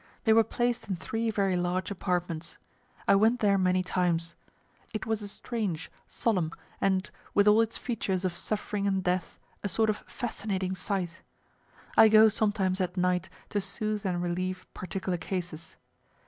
They were placed in three very large apartments. I went there many times. It was a strange, solemn, and, with all its features of suffering and death, a sort of fascinating sight. I go sometimes at night to soothe and relieve particular cases.